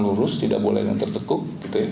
lurus tidak boleh tertekuk